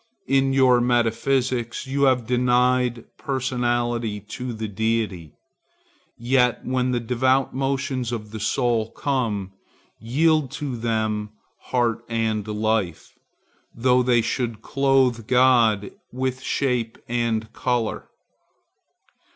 In your metaphysics you have denied personality to the Deity, yet when the devout motions of the soul come, yield to them heart and life, though they should clothe God with shape and color.